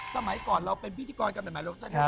สมัยก่อนเราเป็นพิธีกรกันใหม่โลคชั่น